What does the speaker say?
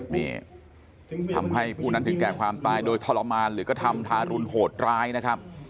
นี่ทำให้ผู้นั้นถึงแก่ความตายโดยทรมานหรือกระทำทารุณโหดร้ายนะครับ